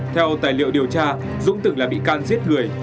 theo tài liệu điều tra dũng từng là bị can giết người